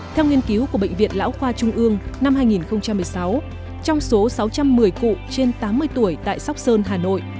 theo nghiên cứu của bệnh viện lão khoa trung ương năm hai nghìn một mươi sáu trong số sáu trăm một mươi cụ trên tám mươi tuổi tại sóc sơn hà nội